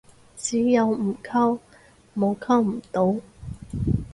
只有唔溝，冇溝唔到